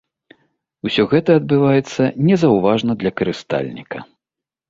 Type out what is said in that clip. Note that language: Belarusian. Усё гэта адбываецца незаўважна для карыстальніка.